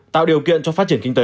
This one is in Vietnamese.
tạo điều kiện cho phát triển kinh tế